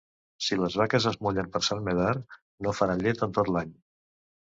Si les vaques es mullen per Sant Medard no faran llet en tot l'any.